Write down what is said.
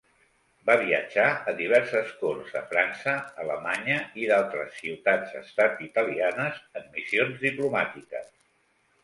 Va viatjar a diverses corts a França, Alemanya i d'altres ciutats-estat italianes en missions diplomàtiques.